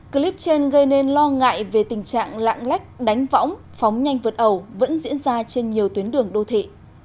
clip trên gây nên lo ngại về tình trạng lạng lách đánh võng phóng nhanh vượt ẩu vẫn diễn ra trên nhiều tuyến đường đô thị